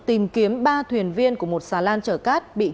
tìm kiếm ba thuyền viên của một xà lan trở cát